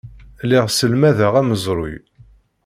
Lliɣ sselmadeɣ amezruy.